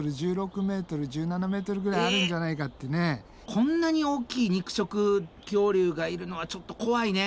こんなに大きい肉食恐竜がいるのはちょっと怖いね。